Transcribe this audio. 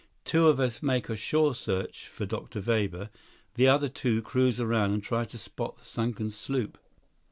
"Two of us make a shore search for Dr. Weber, the other two cruise around and try to spot the sunken sloop?"